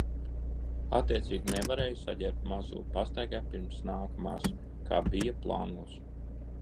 Attiecīgi nevarēju saģērbt mazuli pastaigai pirms nākamās, kā bija plānots.